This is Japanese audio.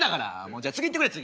じゃあもう次いってくれ次。